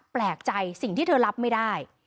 แปลกใจสิ่งที่เธอรับไม่ได้